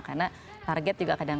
karena target juga kadang kadang